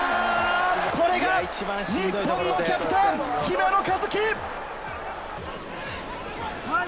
これが日本のキャプテン、姫野和樹。